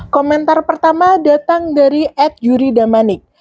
komentar pertama datang dari ed yuri damanik